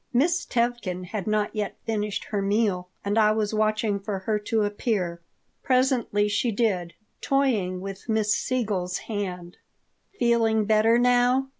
Miss Tevkin had not yet finished her meal and I was watching for her to appear. Presently she did, toying with Miss Siegel's hand "Feeling better now?"